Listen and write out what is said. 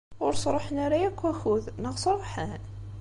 Ur sṛuḥen ara akk akud, neɣ sṛuḥen?